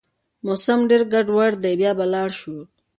موسم ډېر ګډوډ دی، بيا به لاړ شو